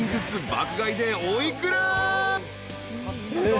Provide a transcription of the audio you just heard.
爆買いでお幾ら？］